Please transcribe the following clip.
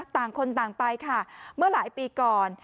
ต่างคนต่างไปค่ะเมื่อหลายปีก่อน